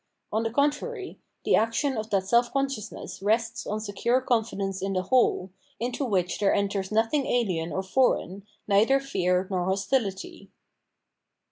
On the contrary, the action of that self consciousness rests on secure confidence in the whole, into which there enters nothing ahen or foreign, neither fear nor hostility.